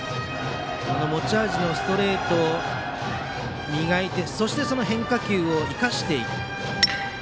持ち味のストレートを磨いてそして変化球を生かしていく。